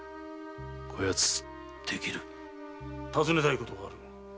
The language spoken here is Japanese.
こ奴できる尋ねたいことがある。